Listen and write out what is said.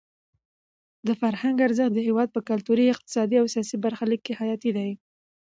د فرهنګ ارزښت د هېواد په کلتوري، اقتصادي او سیاسي برخلیک کې حیاتي دی.